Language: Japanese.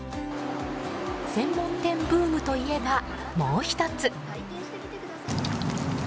専門店ブームといえばもう１つ。